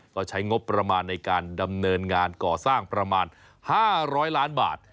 ก็ใช้งบประมาณในการดำเนินงานก่อสร้างประมาณ๕๐๐ล้านบาท